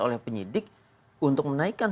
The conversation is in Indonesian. oleh penyidik untuk menaikkan